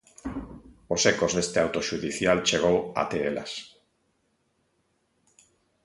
Os ecos deste auto xudicial chegou até elas.